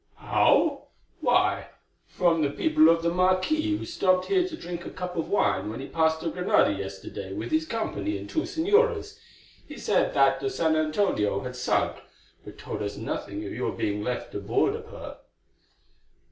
"How? Why, from the people of the marquis, who stopped here to drink a cup of wine when he passed to Granada yesterday with his company and two señoras. He said that the San Antonio had sunk, but told us nothing of your being left aboard of her."